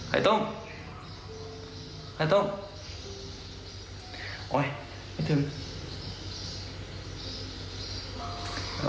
ไอ้ต้มไข่ต้มโอ๊ยไม่ถึง